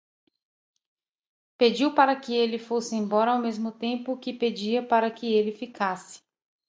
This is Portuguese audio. Pediu que ele fosse embora, ao mesmo tempo que pedia para que ele ficasse.